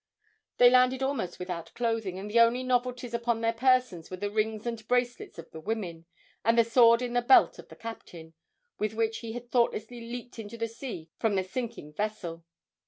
They landed almost without clothing, and the only novelties upon their persons were the rings and bracelets of the women, and a sword in the belt of the captain, with which he had thoughtlessly leaped into the sea from the sinking vessel.